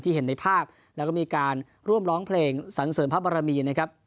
เห็นในภาพแล้วก็มีการร่วมร้องเพลงสันเสริมพระบรมีนะครับ